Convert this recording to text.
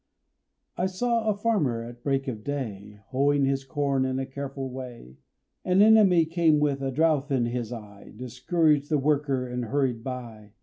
I saw a farmer at break of day Hoeing his corn in a careful way; An enemy came with a drouth in his eye, Discouraged the worker and hurried by.